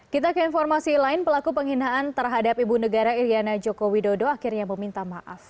kita ke informasi lain pelaku penghinaan terhadap ibu negara iryana joko widodo akhirnya meminta maaf